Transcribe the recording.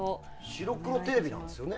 白黒テレビなんですよね？